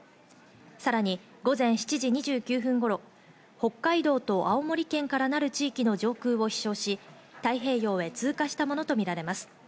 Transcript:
さらに午前７時２９分頃、北海道と青森県からなる地域の上空を飛翔し、太平洋へ通過したものとみられます。